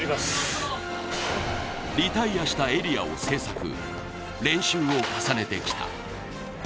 リタイアしたエリアを制作、練習を重ねてきた。